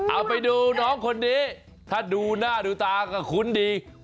เอาไปดูน้องคนนี้ถ้าดูหน้าดูตาก็คุ้นดี